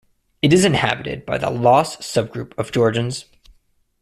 It is inhabited by the Laz subgroup of Georgians.